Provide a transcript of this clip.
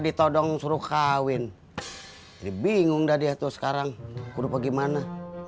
ditodong suruh kawin dibingung dari itu sekarang kurup gimana